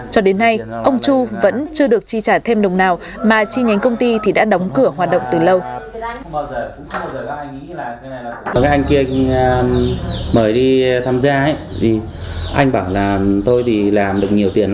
cho đến nay ông chu vẫn chưa được chi trả thêm đồng nào mà chi nhánh công ty thì đã đóng cửa hoạt động từ lâu